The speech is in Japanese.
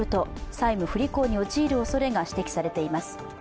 債務不履行に陥るおそれが指摘されています。